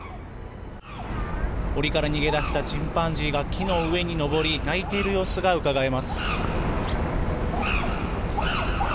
檻から逃げ出したチンパンジーが木の上に登り鳴いている様子がうかがえます。